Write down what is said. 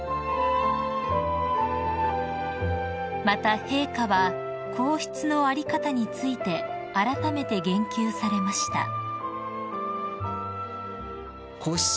［また陛下は皇室の在り方についてあらためて言及されました］